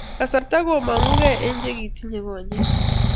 Kasarta komongukei eng che tinyei konyek